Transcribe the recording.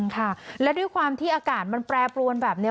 ค่ะและด้วยความที่อากาศมันแปรปรวนแบบนี้